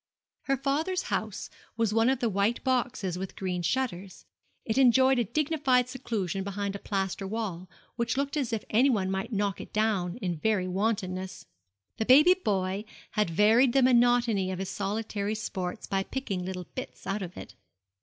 Her father's house was one of the white boxes with green shutters. It enjoyed a dignified seclusion behind a plaster wall, which looked as if anyone might knock it down in very wantonness. The baby boy had varied the monotony of his solitary sports by picking little bits out of it.